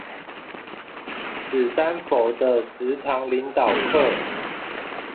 史丹佛的十堂領導課